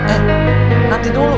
eh nanti dulu